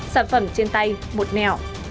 sản phẩm trên tay một mèo